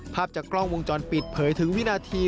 ภาพจากกล้องวงจรปิดเผยถึงวินาที